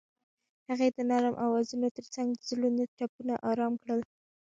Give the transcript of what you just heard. هغې د نرم اوازونو ترڅنګ د زړونو ټپونه آرام کړل.